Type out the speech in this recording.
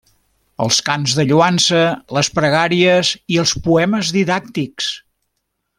Els cants de lloança, les pregàries, i els poemes didàctics.